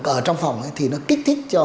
ở trong phòng thì nó kích thích cho